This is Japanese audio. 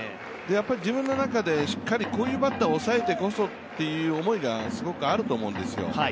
自分の中でしっかりこういうバッターを抑えてこそという思いがすごくあると思うんですよ。